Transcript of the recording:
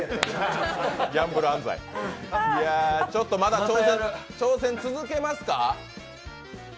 ちょっとまだ挑戦続けますか？